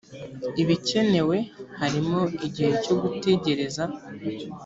ibikenewe harimo igihe cyo gutegereza